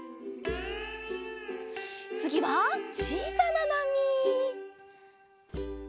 つぎはちいさななみ。